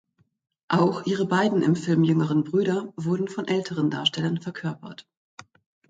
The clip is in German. Auch ihre beiden im Film jüngeren Brüder wurden von älteren Darstellern verkörpert.